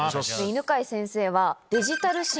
犬飼先生は。